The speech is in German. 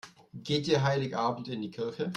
Geht ihr Heiligabend in die Kirche?